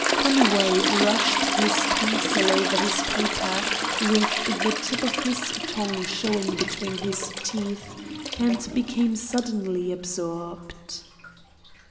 Conway rushed his pencil over his paper, with the tip of his tongue showing between his teeth, and became suddenly absorbed.